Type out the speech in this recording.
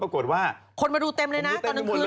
ปรากฏว่าคนมาดูเต็มเลยนะตอนกลางคืน